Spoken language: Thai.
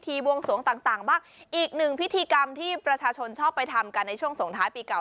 บวงสวงต่างต่างบ้างอีกหนึ่งพิธีกรรมที่ประชาชนชอบไปทำกันในช่วงสงท้ายปีเก่า